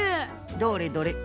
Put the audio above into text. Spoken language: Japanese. どれどれ。